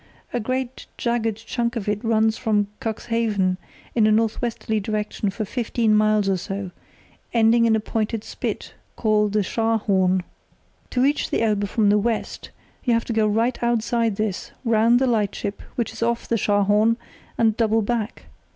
A great jagged chunk of it runs out from Cuxhaven in a north westerly direction for fifteen miles or so, ending in a pointed spit, called the Scharhorn. To reach the Elbe from the west you have to go right outside this, round the lightship, which is off the Scharhorn, and double back.